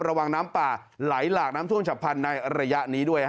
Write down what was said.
ระวังน้ำป่าไหลหลากน้ำท่วมฉับพันธุ์ในระยะนี้ด้วย